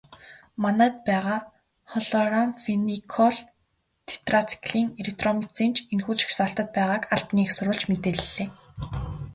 Манайд байгаа хлорамфеникол, тетрациклин, эритромицин ч энэхүү жагсаалтад байгааг албаны эх сурвалж мэдээллээ.